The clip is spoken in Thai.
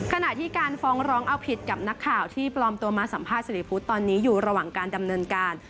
ขณะที่การฟ้องร้องเอาผิดกับนักข่าวที่ปลอมตัวมาสัมภาษณสิริพุทธตอนนี้อยู่ระหว่างการดำเนินการ